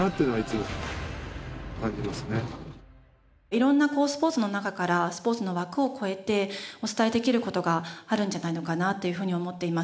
色んなスポーツの中からスポーツの枠を超えてお伝えできる事があるんじゃないのかなっていうふうに思っています。